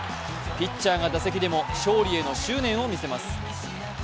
ピッチャーが打席でも勝利への執念を見せます。